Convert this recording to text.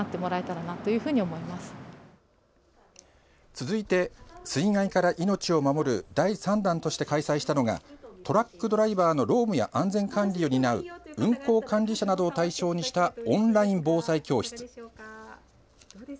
続いて「水害から命を守る」第３弾として開催したのがトラックドライバーの労務や安全管理を担う運行管理者などを対象にしたオンライン防災教室。